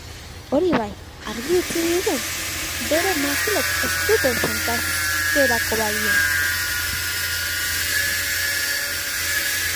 Hori bai, argi utzi digu bere makilek ez dute santa eskerako balio.